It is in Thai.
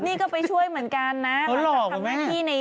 นี่ก็ไปช่วยเหมือนกันนะ